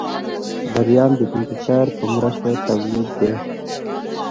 دریم د کمپیوټر په مرسته تولید دی.